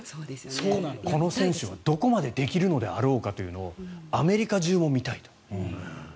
この選手がどこまでできるんだろうかというのをアメリカ中、見たいと。